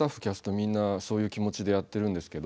みんなそういう気持ちでやってるんですけど、